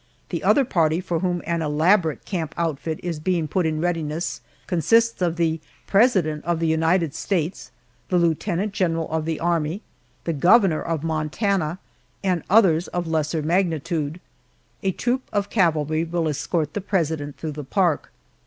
The other party for whom an elaborate camp outfit is being put in readiness consists of the President of the United States, the lieutenant general of the Army, the governor of Montana, and others of lesser magnitude. A troop of cavalry will escort the President through the park.